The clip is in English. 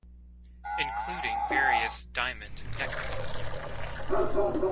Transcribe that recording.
Including various diamond necklaces.